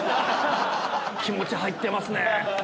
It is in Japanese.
気持ち入ってますね。